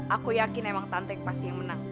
aku yakin emang tante pasti yang menang